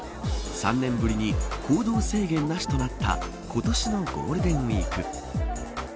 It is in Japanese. ３年ぶりに行動制限なしとなった今年のゴールデンウイーク。